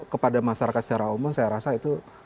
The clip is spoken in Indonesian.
kepada masyarakat secara umum saya rasa itu